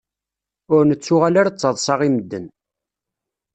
Ur nettuɣal ara d taḍṣa i medden.